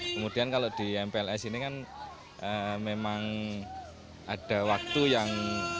kemudian kalau di mpls ini kan memang ada waktu yang